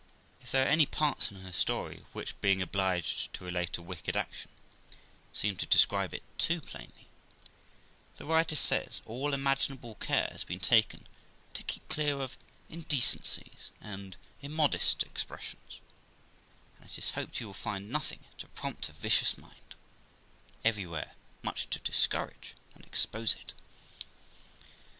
13 194 AUTHOR'S PREFACE If there are any parts in her story which, being obliged to relate ft wicked action, seem to describe it too plainly, the writer says all imaginable care has been taken to keep clear of indecencies and immodest expressions ; and it is hoped you will find nothing to prompt a vicious mind, bttt everywhere much to discourage and expose it.